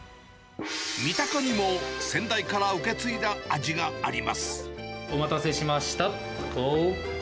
三鷹にも先代から受け継いだ味がお待たせしました。